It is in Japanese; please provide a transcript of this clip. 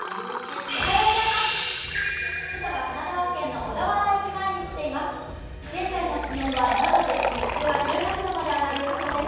今朝は神奈川県の小田原駅前に来ています。